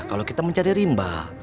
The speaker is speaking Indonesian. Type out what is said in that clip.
kalau kita mencari rimba